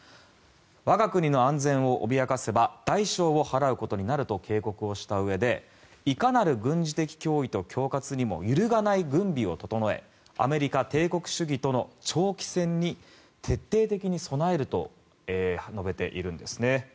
我が国の安全を脅かせば代償を払うことになると警告をしたうえでいかなる軍事的脅威と恐喝にも揺るがない軍備を整えアメリカ帝国主義との長期戦に徹底的に備えると述べているんです。